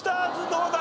どうだ？